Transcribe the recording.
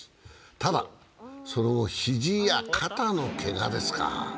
ただ、その後、肘や肩のけがですか。